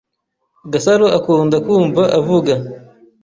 Gasaro akunda kumva avuga.